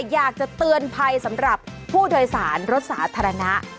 อยากจะเตือนภัยสำหรับผู้โดยสารรถสาธารณะ